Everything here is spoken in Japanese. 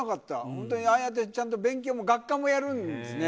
本当にああやって、勉強もちゃんと学科もやるんですね。